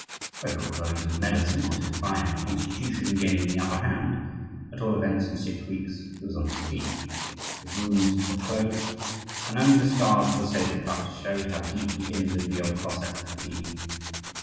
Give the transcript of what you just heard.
Whether it was owing to the medicine or to his iron constitution gaining the upper hand, at all events, in six weeks he was on his feet. His wounds had closed, and only the scars of the sabre cuts showed how deeply injured the old Cossack had been.